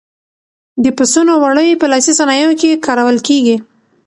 د پسونو وړۍ په لاسي صنایعو کې کارول کېږي.